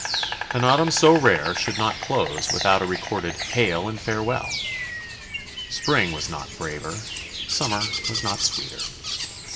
An autumn so rare should not close without a recorded "hail and farewell!" Spring was not braver, summer was not sweeter.